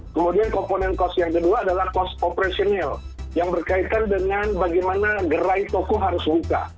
kemudian komponen cost yang kedua adalah cost operational yang berkaitan dengan bagaimana gerai toko harus buka